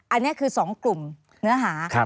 อันนี้คือ๒กลุ่มเนื้อหา